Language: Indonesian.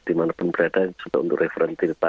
dimana pun berada sudah untuk referensi kita